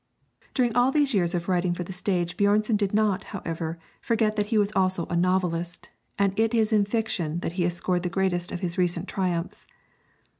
During all these years of writing for the stage Björnson did not, however, forget that he was also a novelist; and it is in fiction that he has scored the greatest of his recent triumphs.